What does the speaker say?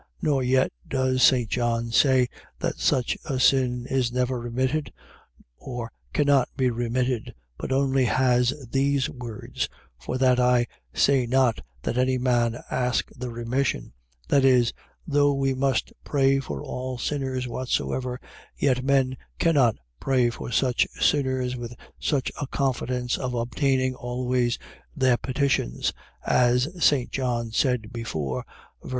Nor yet does St. John say, that such a sin is never remitted, or cannot be remitted, but only has these words, for that I say not that any man ask the remission : that is, though we must pray for all sinners whatsoever, yet men can not pray for such sinners with such a confidence of obtaining always their petitions, as St. John said before, ver.